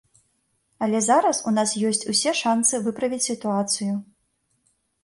Але зараз у нас ёсць усе шанцы выправіць сітуацыю.